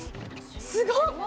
すごっ！